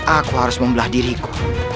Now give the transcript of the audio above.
aku harus membelah diriku